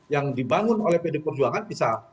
yang dibangun oleh pd perjuangan bisa